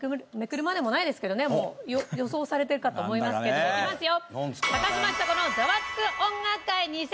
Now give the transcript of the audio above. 予想されてるかと思いますけどいきますよ。